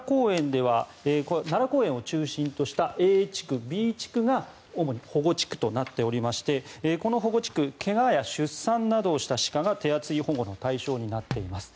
奈良公園を中心としたＡ地区、Ｂ地区が主に保護地区となっていましてこの保護地区怪我や出産などをした鹿が保護の対象となっています。